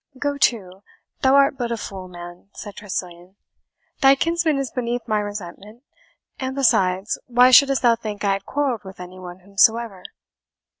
"Go to, thou art but a fool, man," said Tressilian. "Thy kinsman is beneath my resentment; and besides, why shouldst thou think I had quarrelled with any one whomsoever?"